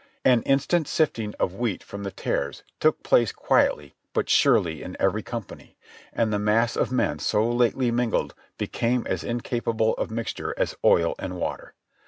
An instant sifting of wheat from the tares took place quietly but surely in every company, aiid the mass of men so lately mingled became as incapable of mixture as oil and water.